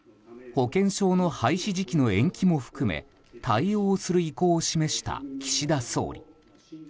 保険証の廃止時期の延期も含め対応する意向を示した岸田総理。